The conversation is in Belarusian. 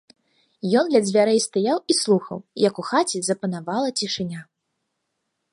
Ён ля дзвярэй стаяў і слухаў, як у хаце запанавала цішыня.